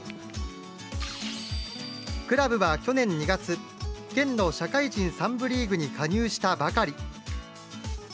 クラブは去年２月、県の社会人３部リーグに加入したばかり。